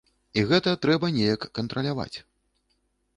І гэта трэба неяк кантраляваць.